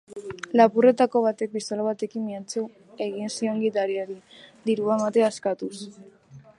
Lapurretako batek pistola batekin mehatxu egin zion gidariari, dirua ematea eskatuz.